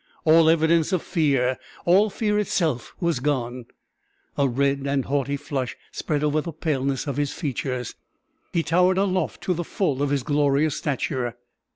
All evidence of fear, all fear itself, was gone. A red and haughty flush spread over the paleness of his features; he towered aloft to the full of his glorious stature.